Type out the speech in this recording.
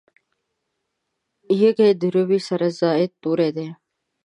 یږي د روي سره زاید توري دي.